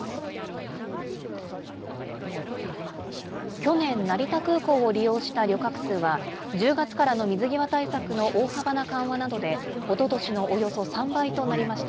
去年、成田空港を利用した旅客数は、１０月からの水際対策の大幅な緩和などで、おととしのおよそ３倍となりました。